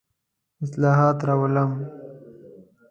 اصلاحات راولم.